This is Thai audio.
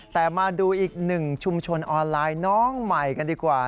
แต่มาดูอีกหนึ่งชุมชนออนไลน์น้องใหม่กันดีกว่า